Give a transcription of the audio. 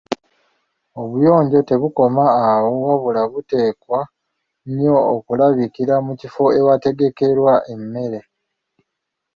Obuyonjo tebukoma awo wabula buteekwa nnyo okulabikira mu kifo awategekerwa emmere.